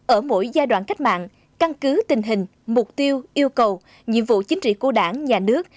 ở mỗi giai đoạn cách mạng căn cứ tình hình mục tiêu yêu cầu nhiệm vụ chính trị của đảng nhà nước